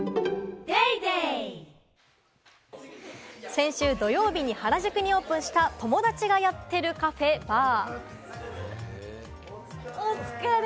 先週土曜日に原宿にオープンした「友達がやってるカフェ／バー」。